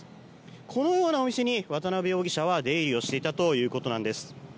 このようなお店に渡邉容疑者は出入りをしていたということなんです。